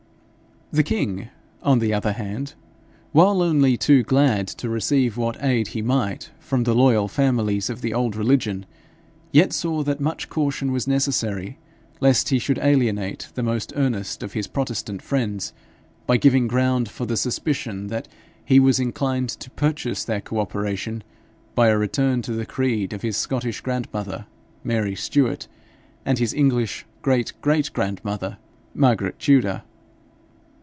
The king, on the other hand, while only too glad to receive what aid he might from the loyal families of the old religion, yet saw that much caution was necessary lest he should alienate the most earnest of his protestant friends by giving ground for the suspicion that he was inclined to purchase their co operation by a return to the creed of his Scottish grand mother, Mary Stuart, and his English great great grand mother, Margaret Tudor.